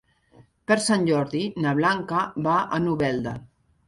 Per Sant Jordi na Blanca va a Novelda.